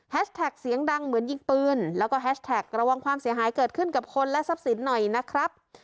เสียงดังเหมือนยิงปืนแล้วก็แฮชแท็กระวังความเสียหายเกิดขึ้นกับคนและทรัพย์สินหน่อยนะครับ